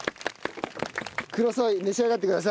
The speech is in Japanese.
クロソイ召し上がってください。